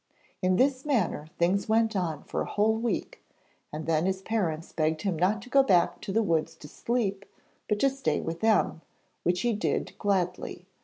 In this manner things went on for a whole week, and then his parents begged him not to go back to the woods to sleep, but to stay with them, which he did gladly.